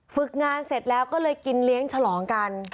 ฝึกงานเสร็จแล้วก็เลยกินเลี้ยงฉลองกัน